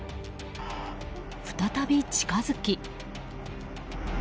再び近づき。